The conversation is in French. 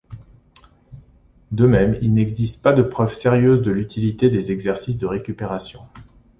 De même, il n'existe pas de preuve sérieuse de l'utilité des exercices de récupération.